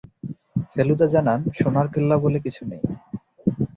ফেলুদা জানান, সোনার কেল্লা বলে কিছু নেই।